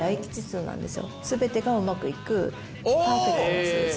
全てがうまくいくパーフェクトな数字。